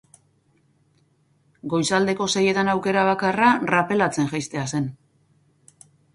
Goizaldeko seietan aukera bakarra rappelatzen jaistea zen.